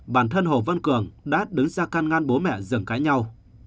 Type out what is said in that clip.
bản thân hồ văn cường đã đứng ra căn ngăn bố mẹ giỡn cãi nhau